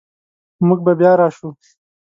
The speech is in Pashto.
موږ به بیا راشو